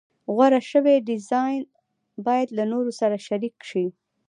غوره شوی ډیزاین باید له نورو سره شریک شي.